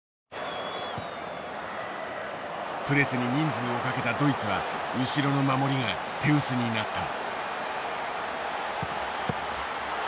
プレスに人数をかけたドイツは後ろの守りが手薄になった。